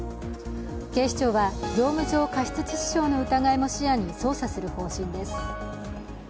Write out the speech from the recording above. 警視庁は、業務上過失致死傷の疑いも視野に捜査する方針です。